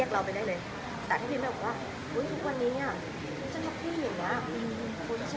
แต่ถ้าพี่ไม่ออกว่าทุกวันนี้จะทำพี่อย่างนี้